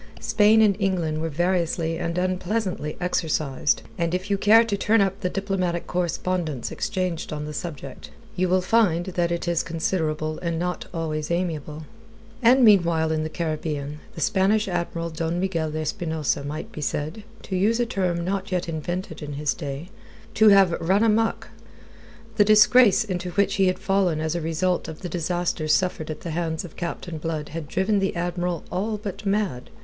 Spain and England were variously and unpleasantly exercised, and if you care to turn up the diplomatic correspondence exchanged on the subject, you will find that it is considerable and not always amiable. And meanwhile in the Caribbean, the Spanish Admiral Don Miguel de Espinosa might be said to use a term not yet invented in his day to have run amok. The disgrace into which he had fallen as a result of the disasters suffered at the hands of Captain Blood had driven the Admiral all but mad.